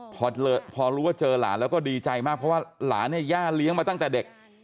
พอรู้ว่าเจอหลานแล้วก็ดีใจมากเพราะว่าหลานเนี่ยย่าเลี้ยงมาตั้งแต่เด็ก